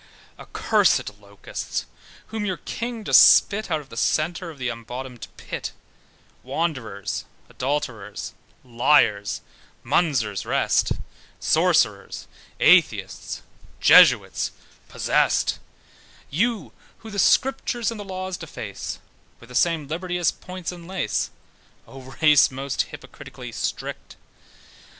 Accursèd locusts, whom your king does spit Out of the centre of the unbottomed pit; Wanderers, adulterers, liars, Munster's rest, Sorcerers, athiests, jesuits possessed; You who the scriptures and the laws deface With the same liberty as points and lace; Oh race most hypocritically strict!